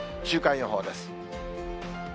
週間予報です。